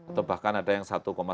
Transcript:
atau bahkan ada yang satu